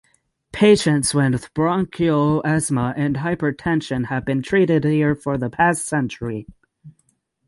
Patients with bronchial asthma and hypertension have been treated here for the past century.